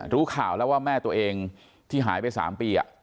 รู้ข่าวแล้วว่าแม่ตัวเองที่หายไป๓ปี